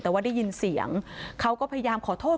แต่ว่าได้ยินเสียงเขาก็พยายามขอโทษ